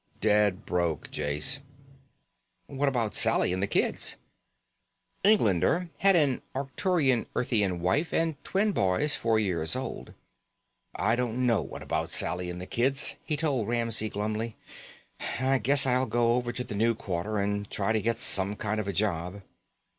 "Dead broke, Jase." "What about Sally and the kids?" Englander had an Arcturan earthian wife and twin boys four years old. "I don't know what about Sally and the kids," he told Ramsey glumly. "I guess I'll go over to the New Quarter and try to get some kind of a job."